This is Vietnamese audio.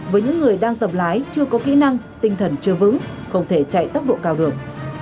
với những người đang tập lái chưa có kỹ năng tinh thần chưa vững không thể chạy tốc độ cao được